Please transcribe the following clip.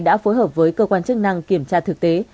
đã phối hợp với cơ quan chức năng kiểm tra thực tế